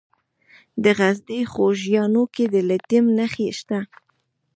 د غزني په خوږیاڼو کې د لیتیم نښې شته.